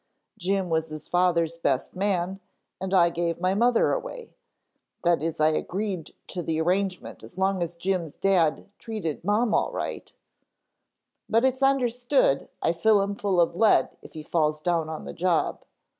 Jim was his father's best man and I gave my mother away; that is I agreed to the arrangement as long as Jim's dad treated Mom all right, but it's understood I fill him full of lead if he falls down on the job."